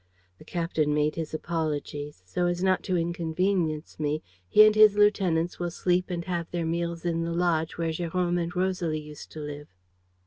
The captain made his apologies. So as not to inconvenience me, he and his lieutenants will sleep and have their meals in the lodge where Jérôme and Rosalie used to live.